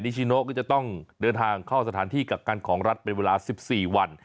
ชิโนก็จะต้องเดินทางเข้าสถานที่กักกันของรัฐเป็นเวลา๑๔วัน